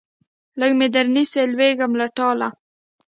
لږ مې درنیسئ لوېږم له ټاله